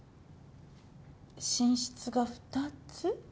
寝室が２つ？